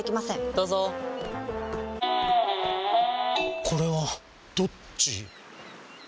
どうぞこれはどっち？